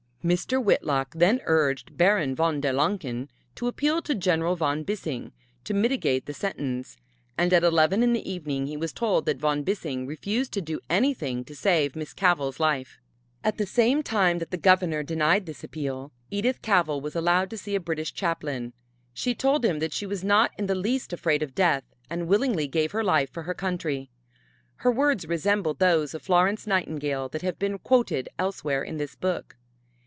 Mr. Whitlock then urged Baron Von der Lancken to appeal to Gen. Von Bissing to mitigate the sentence, and at eleven in the evening he was told that Von Bissing refused to do anything to save Miss Cavell's life. At the same time that the Governor denied this appeal, Edith Cavell was allowed to see a British chaplain. She told him that she was not in the least afraid of death and willingly gave her life for her country. Her words resembled those of Florence Nightingale that have been quoted elsewhere in this book.